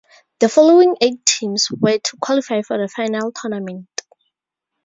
The following eight teams were to qualify for the final tournament.